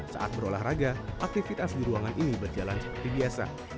saat berolahraga aktivitas di ruangan ini berjalan seperti biasa